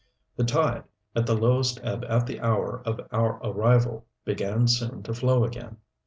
The tide, at the lowest ebb at the hour of our arrival, began soon to flow again.